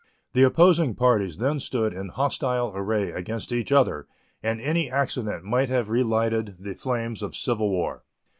The opposing parties then stood in hostile array against each other, and any accident might have relighted the flames of civil war.